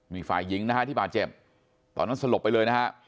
นี่ฝ่ายหญิงนะฮะที่บาดเจ็บตอนนั้นสลบไปเลยนะฮะ